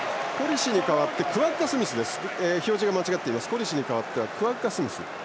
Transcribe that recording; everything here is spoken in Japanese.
コリシに代わってクワッガ・スミスです。